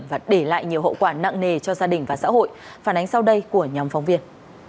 và để lại nhiều hậu quả nặng nề cho gia đình và xã hội phản ánh sau đây của nhóm phóng viên